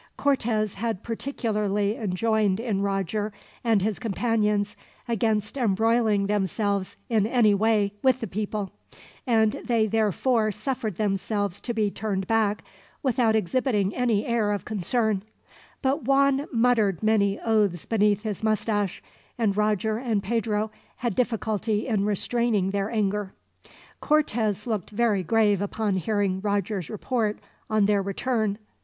Cortez had particularly enjoined in Roger and his companions against embroiling themselves, in any way, with the people; and they therefore suffered themselves to be turned back, without exhibiting any air of concern; but Juan muttered many oaths beneath his mustache, and Roger and Pedro had difficulty in restraining their anger. Cortez looked very grave upon hearing Roger's report, on their return.